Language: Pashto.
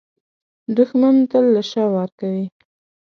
دښمن تل له شا وار کوي